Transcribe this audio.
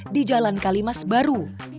di jalan kalimas baru